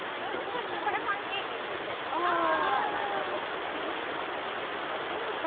これパンケーキって言ってたやつですわ